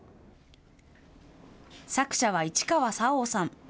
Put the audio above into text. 作者は市川沙央さん。